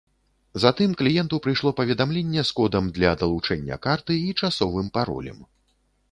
Затым кліенту прыйшло паведамленне з кодам для далучэння карты і часовым паролем.